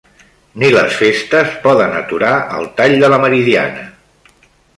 Ni les festes poden aturar el tall de la Meridiana